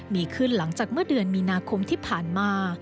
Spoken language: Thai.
มีขึ้นหลังจากเมื่อเดือนมีนาคมที่ผ่านมา